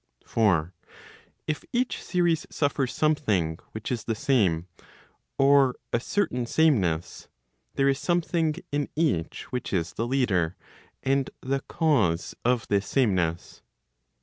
For if each series suffers something which is the same [[or a certain sameness,] there is something in each which is the leader, and the cause of this sameness.